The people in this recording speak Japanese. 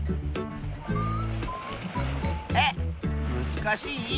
えっむずかしい？